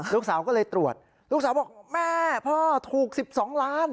ลูกสาวก็เลยตรวจลูกสาวบอกแม่พ่อถูก๑๒ล้าน